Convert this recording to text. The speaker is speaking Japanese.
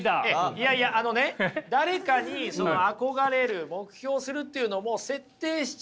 いやいやあのね誰かに憧れる目標するというのも設定しちゃうとね